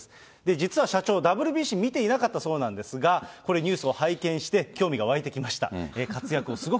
実は社長、ＷＢＣ見ていなかったそうなんですが、これ、ニュースを拝見して興味が湧いてきました。